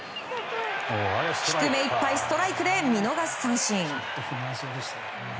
低めいっぱいストライクで見逃し三振。